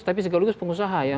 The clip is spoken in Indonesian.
tapi segaligus pengusaha